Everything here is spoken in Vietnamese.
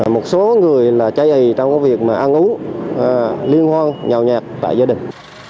một số người là cháy ầy trong cái việc mà ăn uống liên hoan nhào nhạt tại gia đình